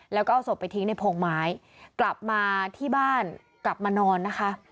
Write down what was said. แล้วก็เอาศพไปทิ้งในโพงไม้กลับมาที่บ้านกลับมานอนนะคะ